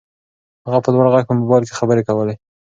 هغه په لوړ غږ په موبایل کې خبرې کولې.